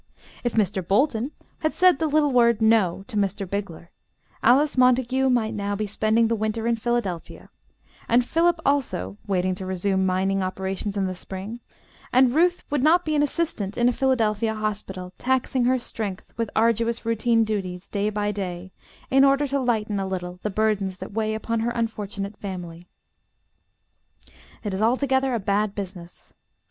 If Mr. Bolton had said the little word "no" to Mr. Bigler, Alice Montague might now be spending the winter in Philadelphia, and Philip also (waiting to resume his mining operations in the spring); and Ruth would not be an assistant in a Philadelphia hospital, taxing her strength with arduous routine duties, day by day, in order to lighten a little the burdens that weigh upon her unfortunate family. It is altogether a bad business.